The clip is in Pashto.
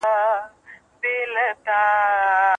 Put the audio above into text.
له طبیعت سره مینه وکړئ.